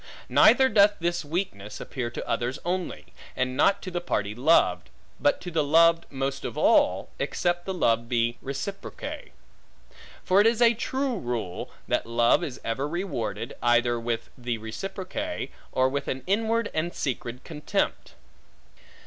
Neither doth this weakness appear to others only, and not to the party loved; but to the loved most of all, except the love be reciproque. For it is a true rule, that love is ever rewarded, either with the reciproque, or with an inward and secret contempt.